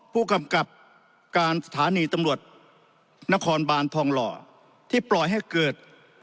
ผู้กำกับการสถานีตำรวจนครบานทองหล่อที่ปล่อยให้เกิด